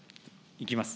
いきます。